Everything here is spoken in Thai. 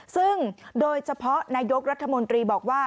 ซึ่งโดยเฉพาะนายกรัฐมนตรีบอกว่า